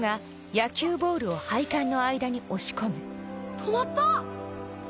止まった！